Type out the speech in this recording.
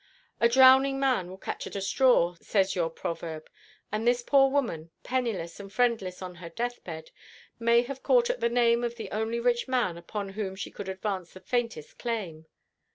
A drowning man will catch at a straw, says your proverb; and this poor woman, penniless and friendless on her death bed, may have caught at the name of the only rich man upon whom she could advance the faintest claim.